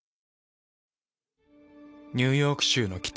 ニューヨーク州の北。